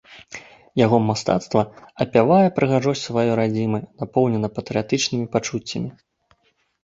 Яго мастацтва апявае прыгажосць сваёй радзімы, напоўнена патрыятычнымі пачуццямі.